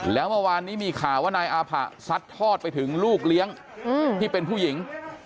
แล้วเมื่อวานนี้มีข่าวว่านายอาผะซัดทอดไปถึงลูกเลี้ยงที่เป็นผู้หญิง